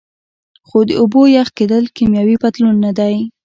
خو د اوبو یخ کیدل کیمیاوي بدلون نه دی